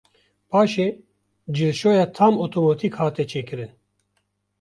Paşê cilşoya tam otomatik hate çêkirin.